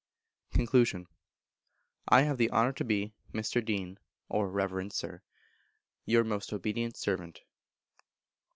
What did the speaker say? Con. I have the honour to be, Mr. Dean (or Reverend Sir), Your most obedient servant.